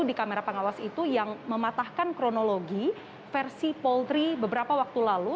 di kamera pengawas itu yang mematahkan kronologi versi polri beberapa waktu lalu